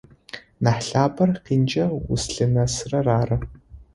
Нахь лъапӏэр къинкӏэ узлъынэсырэр ары.